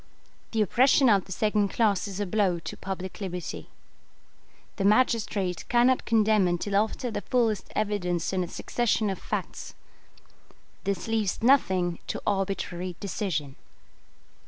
The oppression of the second class is a blow to public liberty. The magistrate cannot condemn until after the fullest evidence and a succession of facts. This leaves nothing to arbitrary decision.